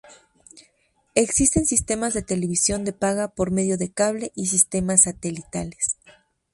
Existen sistemas de televisión de paga por medio de cable y sistemas satelitales.